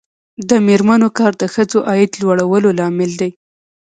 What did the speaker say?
د میرمنو کار د ښځو عاید لوړولو لامل دی.